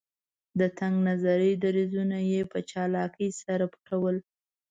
د تنګ نظري دریځونه یې په چالاکۍ سره پټول.